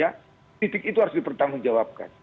ya titik itu harus dipertanggungjawabkan